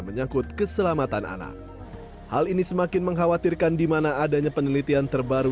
menyangkut keselamatan anak hal ini semakin mengkhawatirkan dimana adanya penelitian terbaru